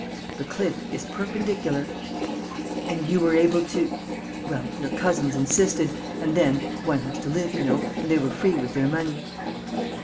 "The cliff is perpendicular." "And you were able to...." "Well, your cousins insisted.... And then one has to live, you know, and they were free with their money."